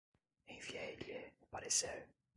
Enviei-lhe o parecer